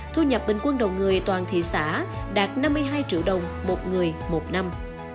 thu nhập bình quân đầu người toàn thị xã đạt năm mươi hai triệu đồng một người một năm